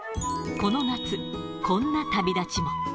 この夏、こんな旅立ちも。